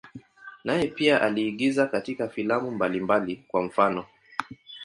Naye pia aliigiza katika filamu mbalimbali, kwa mfano.